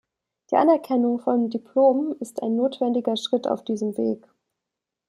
Die Anerkennung von Diplomen ist ein notwendiger Schritt auf diesem Weg.